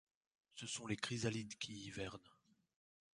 Ce sont les chrysalides qui hivernent.